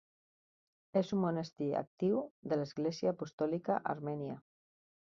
És un monestir actiu de l'Església Apostòlica Armènia.